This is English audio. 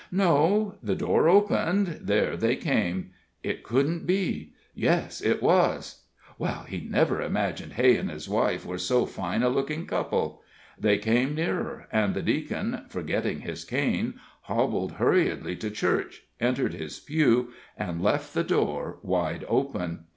No the door opened there they came. It couldn't be yes, it was well, he never imagined Hay and his wife were so fine a looking couple. They came nearer, and the Deacon, forgetting his cane, hobbled hurriedly to church, entered his pew, and left the door wide open.